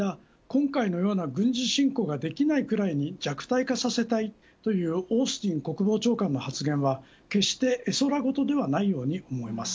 今回のような軍事侵攻ができないくらいに弱体化させたいというオースティン国防長官の発言は決して絵空事ではないように思えます。